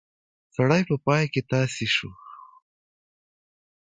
سړی په پای کې تاسی شو.